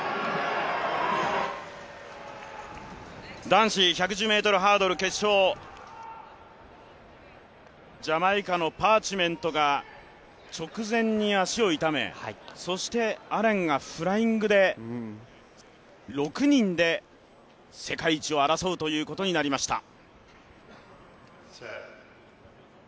男子１１０ｍハードル決勝ジャマイカのパーチメントが直前に足を痛めそしてアレンがフライングで６人で世界一を争うということになりました。